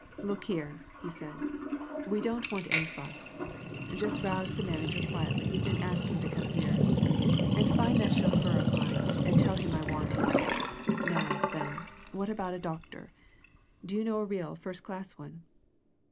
"Look here!" he said. "We don't want any fuss. Just rouse the manager quietly, and ask him to come here. And find that chauffeur of mine, and tell him I want him. Now, then, what about a doctor? Do you know a real, first class one?"